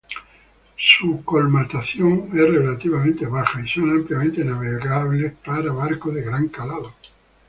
Su colmatación es relativamente baja, y son ampliamente navegables para barcos de gran calado.